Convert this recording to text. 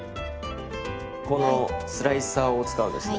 このスライサーを使うんですね。